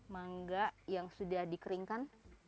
mangga yang sudah dikeringkan